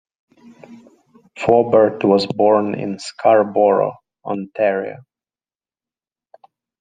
Faubert was born in Scarborough, Ontario.